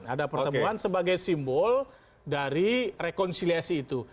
ada pertemuan sebagai simbol dari rekonsiliasi itu